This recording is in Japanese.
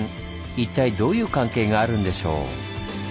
一体どういう関係があるんでしょう？